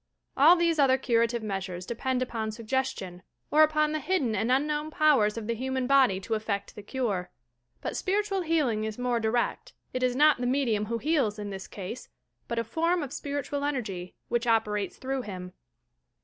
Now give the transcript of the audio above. All these other curative measures depend upon suggestion, or upon the hidden and unknown powers of the human body to effect the cure. But spiritual healing is more direct ; it is not tlie medium who heala in this case, but a form of spiritual energy, which operates through him.